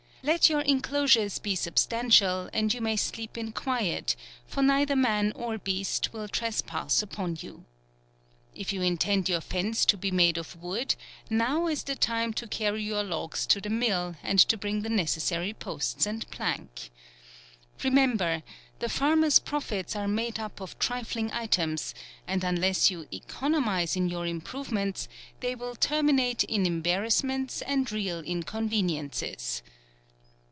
Let your inclosures be substantial, and you may sleep in quiet, for neither man Bb I 6 FEBRUARY, or beast will trespass upon you* If you in' tend your fence to be made of wood, now is the time to carry your logs to the mill, and to bring the necessary posts and plank. Remember the farmer's profits are made up of trifling items, and unless you economise in your improvements, they will terminate in embarrassments and real inconveniences.